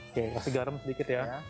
oke kasih garam sedikit ya